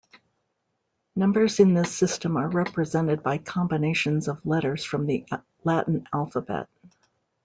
Numbers in this system are represented by combinations of letters from the Latin alphabet.